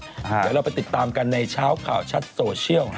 เดี๋ยวเราไปติดตามกันในเช้าข่าวชัดโซเชียล